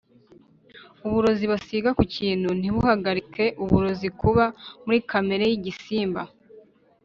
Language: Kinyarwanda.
uburozi basiga ku kintu ntibuhagarike uburozi buba muri kamere y’ibisimba